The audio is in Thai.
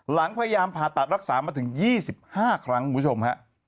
หลังพยายามผ่าตัดรักษามาถึง๒๕ครั้งคุณผู้ชมฮะ